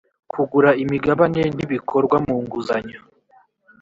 kugura imigabane ntibikorwa munguzanyo.